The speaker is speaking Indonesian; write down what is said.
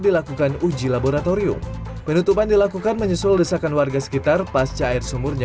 dilakukan uji laboratorium penutupan dilakukan menyusul desakan warga sekitar pasca air sumurnya